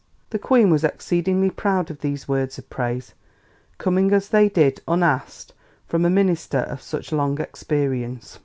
The Queen was exceedingly proud of these words of praise, coming as they did unasked from a minister of such long experience.